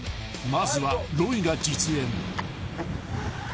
［まずはロイが実演］